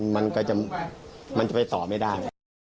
มันก็จะไปต่อไม่ได้